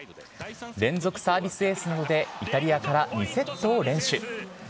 連続サービスエースなどで、イタリアから２セットを連取。